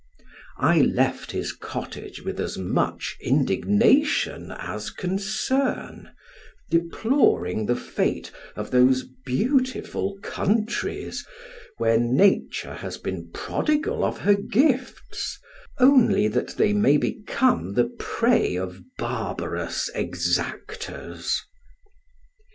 I left his cottage with as much indignation as concern, deploring the fate of those beautiful countries, where nature has been prodigal of her gifts, only that they may become the prey of barbarous exactors.